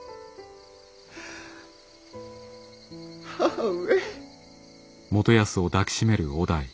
母上。